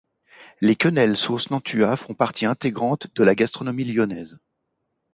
Les quenelles sauce Nantua font partie intégrante de la gastronomie lyonnaise.